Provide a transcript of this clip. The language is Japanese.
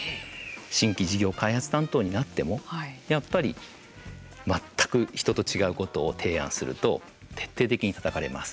新規事業開発担当になってもやっぱり、全く人と違うことを提案すると徹底的にたたかれます。